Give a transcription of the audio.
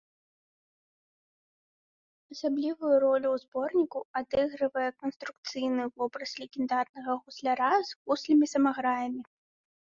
Асаблівую ролю ў зборніку адыгрывае канструкцыйны вобраз легендарнага гусляра з гуслямі-самаграямі.